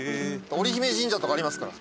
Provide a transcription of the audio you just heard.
織姫神社とかありますから。